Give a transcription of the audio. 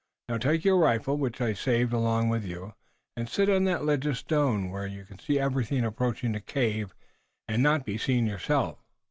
Now, take your rifle, which I saved along with you, and sit on that ledge of stone, where you can see everything approaching the cave and not be seen yourself."